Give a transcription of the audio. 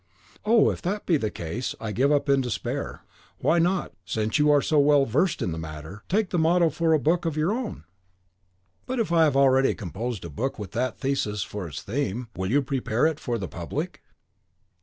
"Oh, if that be the case, I give up in despair. Why not, since you are so well versed in the matter, take the motto for a book of your own?" "But if I have already composed a book with that thesis for its theme, will you prepare it for the public?"